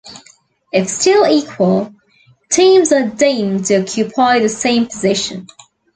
If still equal, teams are deemed to occupy the same position.